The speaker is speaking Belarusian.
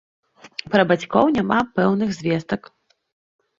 Пра бацькоў няма пэўных звестак.